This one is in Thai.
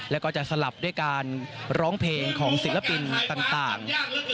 แล้วก็จะสลับด้วยการร้องเพลงของศิลปินต่าง